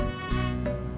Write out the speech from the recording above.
gak ada apa